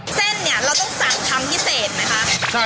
เส้นเนี่ยเราต้องสั่งทำพิเศษไหมคะ